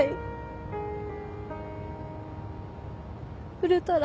触れたら。